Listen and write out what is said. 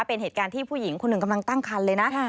เป็นเหตุการณ์ที่ผู้หญิงคนหนึ่งกำลังตั้งคันเลยนะ